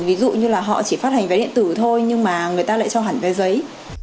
ví dụ như là họ chỉ phát hành vé điện tử thôi nhưng mà người ta lại cho hẳn vé giấy